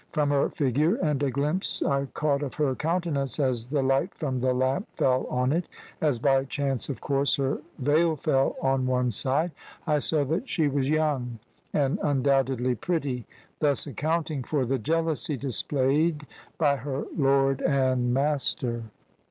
From her figure, and a glimpse I caught of her countenance as the light from the lamp fell on it (as by chance, of course, her veil fell on one side), I saw that she was young and undoubtedly pretty, thus accounting for the jealousy displayed by her `lord and master.'